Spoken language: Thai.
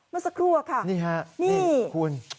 มันสักครั้วค่ะนี่ค่ะนี่คุณ